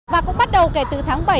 và cũng bắt đầu kể từ tháng bảy